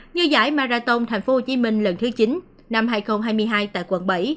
như giải marathon tp hcm lần thứ chín năm hai nghìn hai mươi hai tại quận bảy